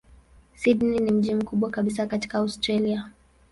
Sydney ni mji mkubwa kabisa katika Australia.